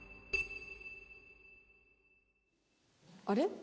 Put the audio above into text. あれ？